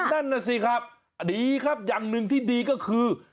นั่นน่ะสิครับดีครับอย่างหนึ่งที่ดีก็คือ